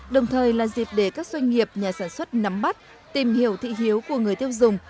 đồng thời là dịp để các doanh nghiệp nhà sản xuất nắm bắt tìm hiểu thị hiếu của người tiêu dùng